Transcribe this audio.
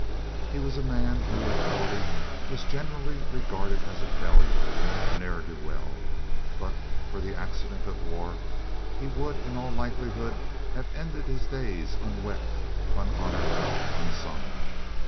Here was a man who, at forty, was generally regarded as a failure, a ne'er do well. But for the accident of war he would in all likelihood have ended his days "unwept, unhonored, and unsung."